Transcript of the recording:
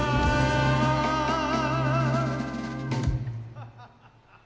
ハハハハ！